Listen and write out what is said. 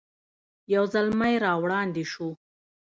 یو زلمی را وړاندې شو.